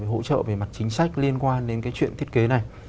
hỗ trợ về mặt chính sách liên quan đến cái chuyện thiết kế này